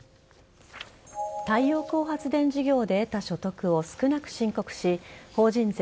太陽光発電事業で得た所得を少なく申告し法人税